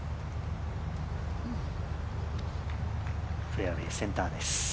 フェアウエーセンターです。